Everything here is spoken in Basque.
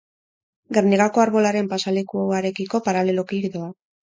Gernikako Arbolaren pasealekuarekiko paraleloki doa.